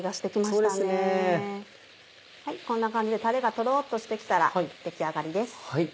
こんな感じでタレがトロっとして来たら出来上がりです。